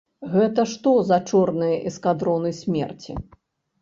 Гэта што за чорныя эскадроны смерці?!